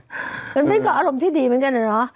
มันก็อารมณ์ที่ดีเหมือนกันนะ